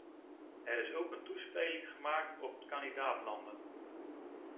Er is ook een toespeling gemaakt op de kandidaat-landen.